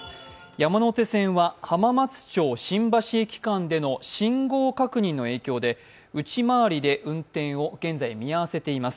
山手線は浜松町−新橋駅間での信号確認の影響で、内回りで運転を現在、見合わせています。